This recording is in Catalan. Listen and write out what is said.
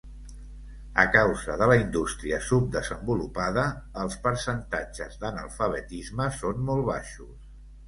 A causa de la indústria subdesenvolupada, els percentatges d'analfabetisme són molt baixos.